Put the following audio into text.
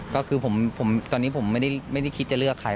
ก็คือตอนนี้ผมไม่ได้คิดจะเลือกใคร